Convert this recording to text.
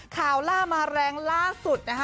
ข่าวล่ามาแรงล่าสุดนะคะ